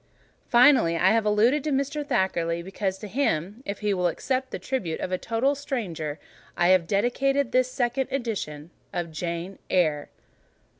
Finally, I have alluded to Mr. Thackeray, because to him—if he will accept the tribute of a total stranger—I have dedicated this second edition of "JANE EYRE."